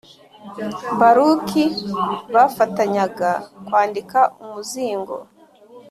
Baruki bafatanyaga kwandika umuzingo